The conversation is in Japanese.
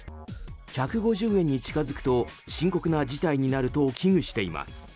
１５０円に近付くと深刻な事態になると危惧しています。